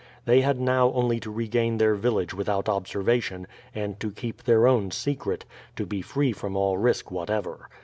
They had now only to regain their village without observation and to keep their own secret, to be free from all risk whatever.